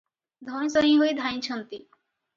ଧଇଁ ସଇଁ ହୋଇ ଧାଇଁଛନ୍ତି ।